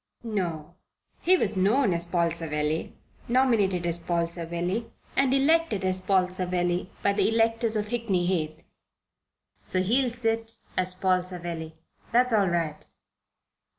"No. He was known as Paul Savelli, nominated as Paul Savelli, and elected as Paul Savelli by the electors of Hickney Heath. So he'll sit as Paul Savelli. That's all right.